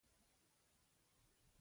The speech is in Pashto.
راځئ چې تمرين وکړو.